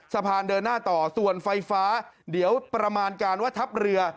สะพานเดินหน้าต่อส่วนไฟฟ้าเดี๋ยวประมาณการว่าทัพเรือ